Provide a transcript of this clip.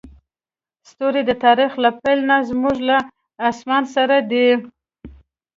ستوري د تاریخ له پیل نه زموږ له اسمان سره دي.